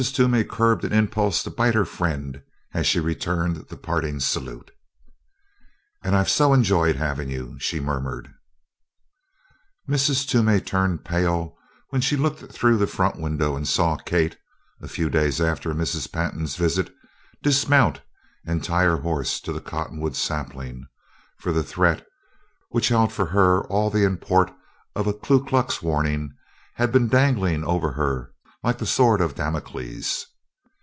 Toomey curbed an impulse to bite her friend as she returned the parting salute. "And I've so enjoyed having you," she murmured. Mrs. Toomey turned pale when she looked through the front window and saw Kate, a few days after Mrs. Pantin's visit, dismount and tie her horse to the cottonwood sapling, for the threat, which held for her all the import of a Ku Klux warning, had been hanging over her like the sword of Damocles.